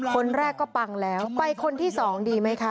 คนแรกก็ปังแล้วไปคนที่สองดีไหมคะ